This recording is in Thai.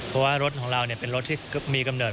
เพราะว่ารถของเราเป็นรถที่มีกำเนิด